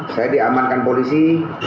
saya diamankan polisi